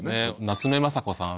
夏目雅子さん